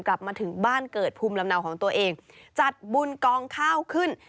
กลับมาถึงบ้านเกิดภูมิลำเนาของตัวเองจัดบุญกองข้าวขึ้น